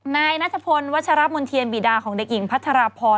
นายนัทพนธ์วัชรัพย์มลเทียนบีดาของเด็กหญิงพัฒนาพอร์